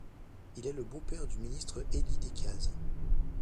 Il est le beau-père du ministre Élie Decazes.